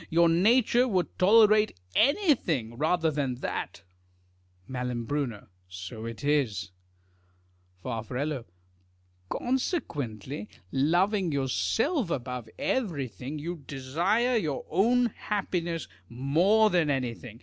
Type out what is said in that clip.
Your nature would tolerate anything rather than that. MaL So it is. MALAMBRUNO AND FARFARELLO. 35 Far. Consequently, loving yourself above everytliing, you desire your own happiness more than anything.